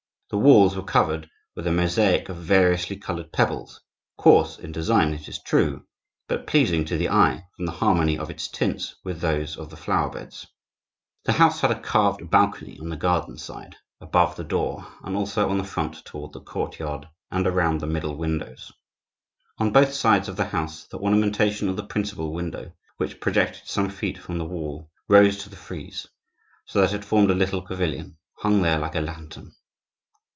The walls were covered with a mosaic of variously colored pebbles, coarse in design, it is true, but pleasing to the eye from the harmony of its tints with those of the flower beds. The house had a carved balcony on the garden side, above the door, and also on the front toward the courtyard, and around the middle windows. On both sides of the house the ornamentation of the principal window, which projected some feet from the wall, rose to the frieze; so that it formed a little pavilion, hung there like a lantern.